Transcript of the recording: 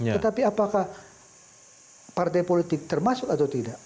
tetapi apakah partai politik termasuk atau tidak